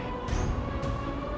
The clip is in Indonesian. dengan keinginannya sendiri